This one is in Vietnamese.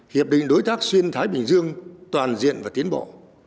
hiệp định đối tác xuyên thái bình dương toàn diện và tiến bộ